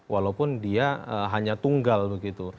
walaupun dia hanya tunggal begitu